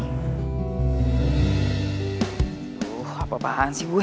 aduh apa apaan sih gue